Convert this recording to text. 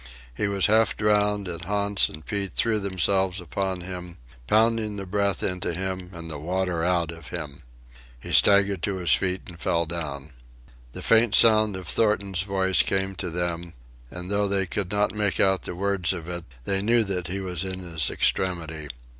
He was half drowned, and Hans and Pete threw themselves upon him, pounding the breath into him and the water out of him. He staggered to his feet and fell down. The faint sound of Thornton's voice came to them, and though they could not make out the words of it, they knew that he was in his extremity.